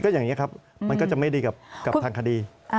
อย่างนี้ครับมันก็จะไม่ดีกับทางคดี